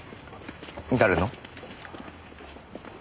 誰の？